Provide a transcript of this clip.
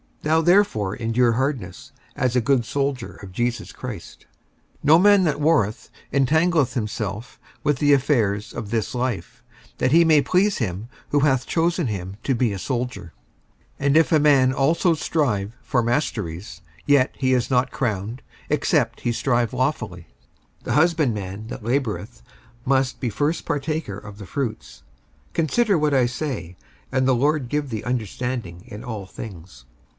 55:002:003 Thou therefore endure hardness, as a good soldier of Jesus Christ. 55:002:004 No man that warreth entangleth himself with the affairs of this life; that he may please him who hath chosen him to be a soldier. 55:002:005 And if a man also strive for masteries, yet is he not crowned, except he strive lawfully. 55:002:006 The husbandman that laboureth must be first partaker of the fruits. 55:002:007 Consider what I say; and the Lord give thee understanding in all things.